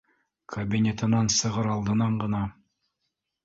Кабинетынан сығыр алдынан ғына